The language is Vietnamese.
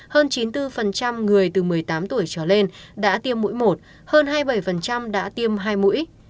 hơn chín mươi bốn người từ một mươi tám tuổi trở lên đã tiêm mũi một hơn hai mươi bảy đã tiêm hai mũi